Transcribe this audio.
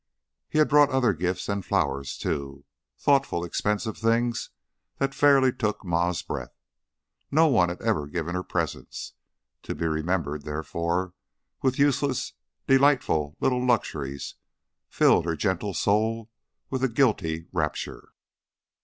He had brought other gifts than flowers, too; thoughtful, expensive things that fairly took Ma's breath. No one had ever given her presents; to be remembered, therefore, with useless, delightful little luxuries filled her gentle soul with a guilty rapture.